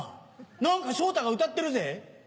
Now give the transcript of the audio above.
何か昇太が歌ってるぜ。